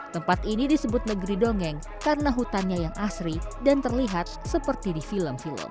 tempat ini disebut negeri dongeng karena hutannya yang asri dan terlihat seperti di film film